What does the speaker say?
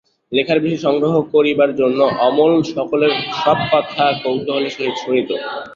লেখার বিষয় সংগ্রহ করিবার জন্য অমল সকলের সব কথা কৌতূহলের সহিত শুনিত।